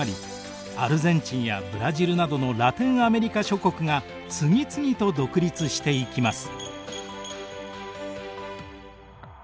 アルゼンチンやブラジルなどのラテンアメリカ諸国が次々と独立していきます。